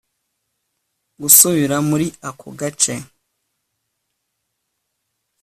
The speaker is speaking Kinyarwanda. gusubira muri ako gace